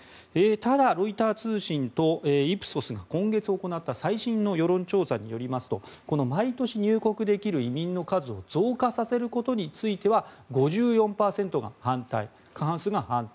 ただ、ロイター通信とイプソスが今月行った最新の世論調査によりますと毎年入国できる移民の数を増加させることについては５４％と過半数が反対。